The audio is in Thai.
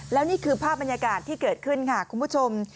แล้วนี่คือภาพบรรยากาศที่เกิดขึ้นค่ะคุณผู้ชม